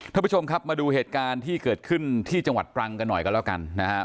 ท่านผู้ชมครับมาดูเหตุการณ์ที่เกิดขึ้นที่จังหวัดตรังกันหน่อยกันแล้วกันนะครับ